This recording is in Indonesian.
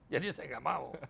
jadi saya enggak mau